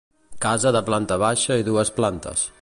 Casa de planta baixa i dues plantes.